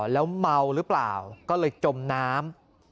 แล้วเมาหรือเปล่าก็เลยจมน้ำ